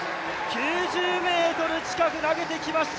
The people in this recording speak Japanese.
９０ｍ近く投げてきました。